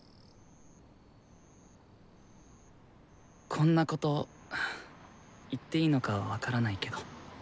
こんなこと言っていいのか分からないけど。